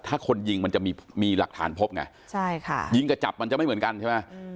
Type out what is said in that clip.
ถ้าคนยิงมันจะมีหลักฐานพบไงใช่ค่ะยิงกับจับมันจะไม่เหมือนกันใช่ไหม